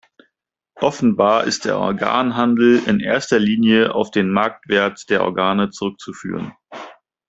Offenbar ist der Organhandel in erster Linie auf den Marktwert der Organe zurückzuführen.